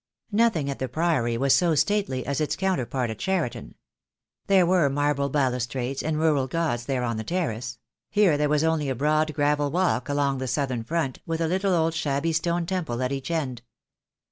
Nothing at the Priory was so stately as its counter part at Cheriton. There were marble balustrades and rural gods there on the terrace; here there was only a broad gravel walk along the southern front, with a little old shabby stone temple at each end.